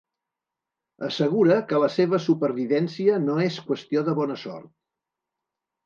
Assegura que la seva supervivència no és qüestió de bona sort.